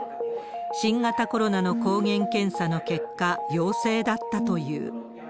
新型コロナの抗原検査の結果、陽性だったという。